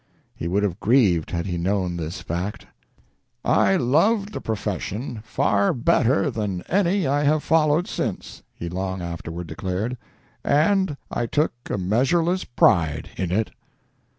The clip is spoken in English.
He would have grieved had he known this fact. "I loved the profession far better than any I have followed since," he long afterward declared, "and I took a measureless pride in it."